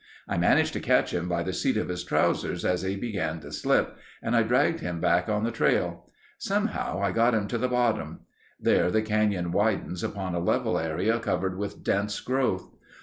I managed to catch him by the seat of his trousers as he began to slip, and dragged him back on the trail. Somehow I got him to the bottom. There the canyon widens upon a level area covered with dense growth.